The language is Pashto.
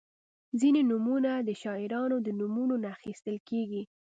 • ځینې نومونه د شاعرانو د نومونو نه اخیستل کیږي.